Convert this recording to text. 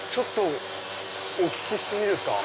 お聞きしていいですか？